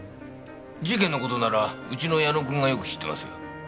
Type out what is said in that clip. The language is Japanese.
事件の事ならうちの矢野君がよく知ってますよ。